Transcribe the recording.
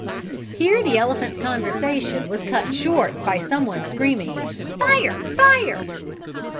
'" Here the elephant's conversation was cut short by someone screaming, "Fire, fire!"